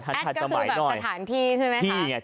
แอดก็คือแบบสถานที่ใช่ไหมครับ